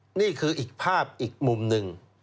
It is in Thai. นี่คืออีกภาพอีกมุมหนึ่ง